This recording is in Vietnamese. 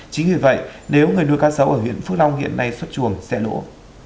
chính vì vậy nếu người nuôi cá sấu ở huyện phước long hiện nay xuất chuồng sẽ lỗ